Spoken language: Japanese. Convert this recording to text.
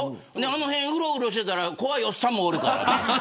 あの辺、うろうろしてたら怖いおっさんもおるから。